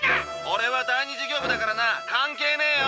オレは第２事業部だからな関係ねえよ。